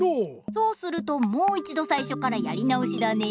そうするともういちどさいしょからやりなおしだね。